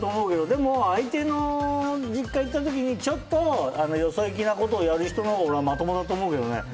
でも相手の実家行った時にちょっとよそいきなことをやる人のほうが俺はまともだと思うけどね。